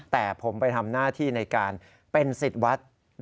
แต่ผมไปทำหน้าที่ในการเป็นสิทธิ์วัด